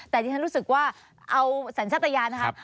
แต่ที่ฉันรู้สึกว่าเอาสัญชาติยานนะครับ